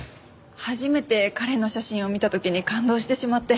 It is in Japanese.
初めて彼の写真を見た時に感動してしまって。